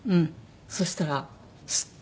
そしたらスッテン！